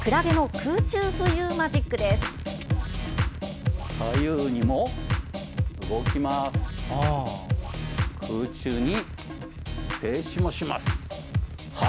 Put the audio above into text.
空中に静止もします。